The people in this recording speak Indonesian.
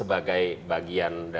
apakah lagi di jogja